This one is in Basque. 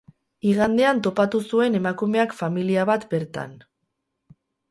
Igandean topatu zuen emakumeak familia bat bertan.